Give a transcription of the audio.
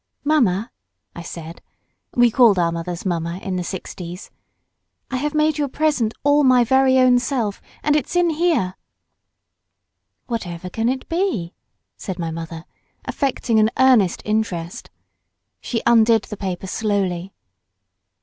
"Mamma," I said (we called our mothers "mamma" in the sixties), "I have made you a present all my very own self, and it's in here." "Whatever can it be?" said my mother, affecting an earnest interest. She undid the paper slowly.